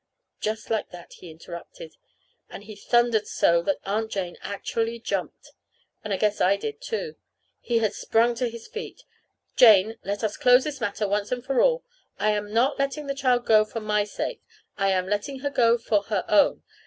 Just like that he interrupted, and he thundered, too, so that Aunt Jane actually jumped. And I guess I did, too. He had sprung to his feet. "Jane, let us close this matter once for all. I am not letting the child go for my sake. I am letting her go for her own.